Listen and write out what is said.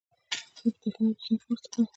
دا په تحلیل او ډیزاین کې مرسته کوي.